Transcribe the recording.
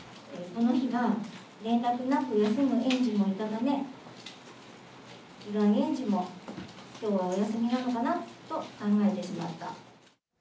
この日は連絡なく休む園児もいたため、被害園児もきょうはお休みなのかなと考えてしまった。